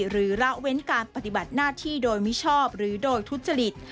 ระเว้นการปฏิบัติหน้าที่โดยมิชอบหรือโดยทุจริต